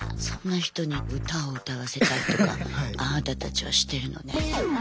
そんな人に歌を歌わせたりとかあなたたちはしてるのね。